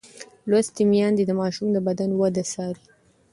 لوستې میندې د ماشوم د بدن وده څاري.